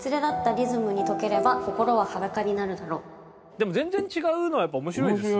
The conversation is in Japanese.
でも全然違うのはやっぱ面白いですね。